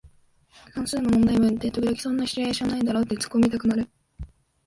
算数の問題文って時々そんなシチュエーションないだろってツッコミたくなる